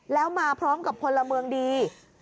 แล้วมาพร้อมกับพลเมืองดี